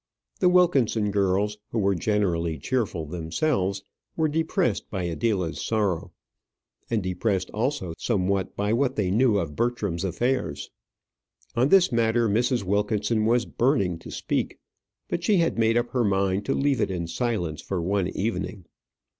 The Wilkinson girls, who were generally cheerful themselves, were depressed by Adela's sorrow and depressed also somewhat by what they knew of Bertram's affairs. On this matter Mrs. Wilkinson was burning to speak; but she had made up her mind to leave it in silence for one evening.